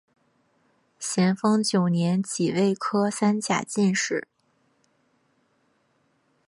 咸丰九年己未科三甲进士。